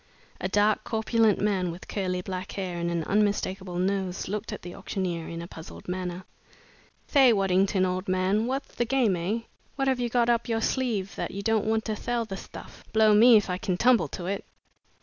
A dark, corpulent man, with curly black hair and an unmistakable nose, looked at the auctioneer in a puzzled manner. "Thay, Waddington, old man, what'th the game, eh? What have you got up your sleeve that you don't want to thell the stuff? Blow me if I can tumble to it!"